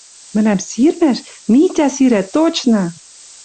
«Мӹлӓм сирмӓш? Митя сирӓ, точно!..